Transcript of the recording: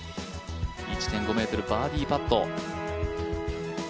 １．５ｍ、バーディーパット。